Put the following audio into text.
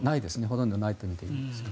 ほとんどないと思います。